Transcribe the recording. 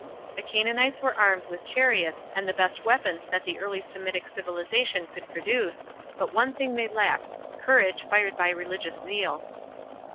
The Canaanites were armed with chariots and the best weapons that the early Semitic civilization could produce, but one thing they lacked, courage, fired by religious zeal.